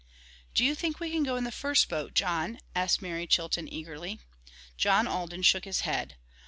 "Do you think we can go in the first boat, John?" asked Mary Chilton eagerly. John Alden shook his head.